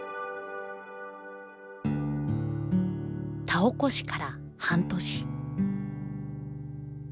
田起こしから半年。